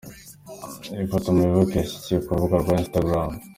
Ifoto Muyoboke yashyize ku rubuga rwa Instagram.